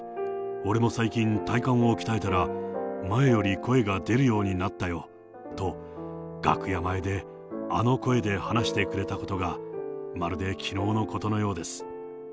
俺も最近、体幹を鍛えたら、前より声が出るようになったよと、楽屋前であの声で話してくれたことが、まるできのうのことのようです。